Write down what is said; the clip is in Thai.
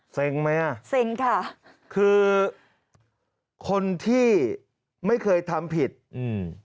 ไหมอ่ะเซ็งค่ะคือคนที่ไม่เคยทำผิดอืม